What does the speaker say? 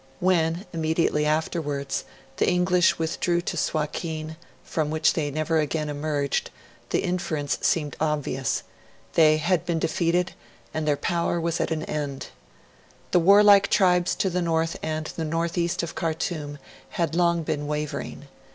When, immediately afterwards, the English withdrew to Suakin, from which they never again emerged, the inference seemed obvious; they had been defeated, and their power was at an end. The warlike tribes to the north and the northeast of Khartoum had long been wavering.